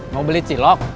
mau beli cilok